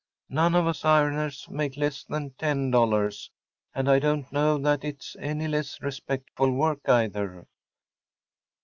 None of us ironers make less than $10. And I don’t know that it’s any less respectful work, either.